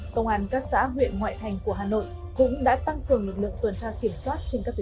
công an các xã huyện ngoại thành của hà nội cũng đã tăng cường lực lượng tuần tra kiểm soát